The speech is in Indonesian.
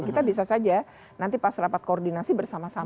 kita bisa saja nanti pas rapat koordinasi bersama sama